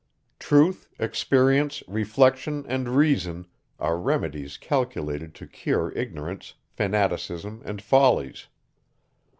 Truth, experience, reflection, and reason, are remedies calculated to cure ignorance, fanaticism and follies.